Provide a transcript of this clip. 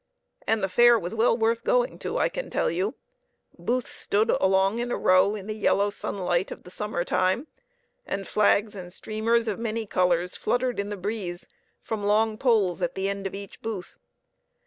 And the fair was well worth going to, I can tell you ! Booths stood along in a row in the yellow sunlight of the summer time, and flags and streamers of many colors fluttered in the breeze from long poles at the end of each booth.